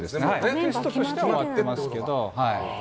テストとしてはありますけど。